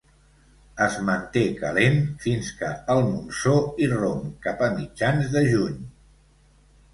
Es manté calent fins que el monsó irromp cap a mitjans de juny.